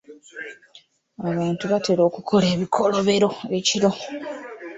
Abantu batera okukola ebikolobero ekiro.